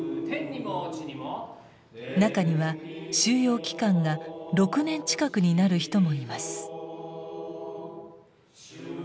中には収容期間が６年近くになる人もいます。